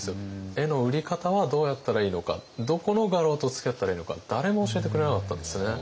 絵の売り方はどうやったらいいのかどこの画廊とつきあったらいいのか誰も教えてくれなかったんですね。